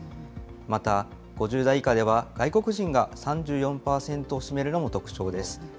また５０代以下では外国人が３４％を占めるのも特徴です。